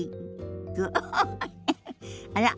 あら？